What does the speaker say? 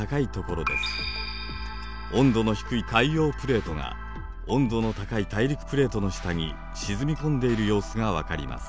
温度の低い海洋プレートが温度の高い大陸プレートの下に沈み込んでいる様子が分かります。